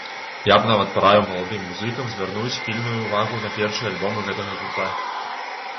Я б нават параіў маладым музыкам звярнуць пільную ўвагу на першыя альбомы гэтага гурта.